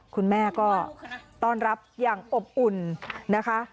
คุณแม่ก็ต้อนรับอย่างอบอุ่นนะคะ